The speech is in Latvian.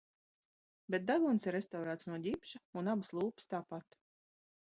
Bet deguns ir restaurēts no ģipša un abas lūpas tāpat.